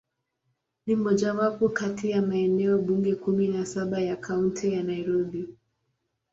Ni mojawapo kati ya maeneo bunge kumi na saba ya Kaunti ya Nairobi.